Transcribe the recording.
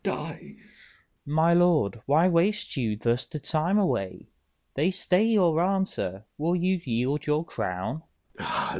Leices. My lord, why waste you thus the time away? They stay your answer: will you yield your crown?